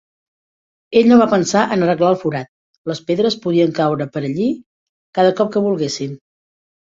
Ell no va pensar en arreglar el forat; les pedres podien caure per allí cada cop que volguessin.